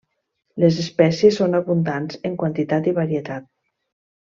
Les espècies són abundants en quantitat i varietat.